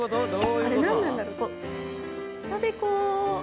あれ何なんだろうこう。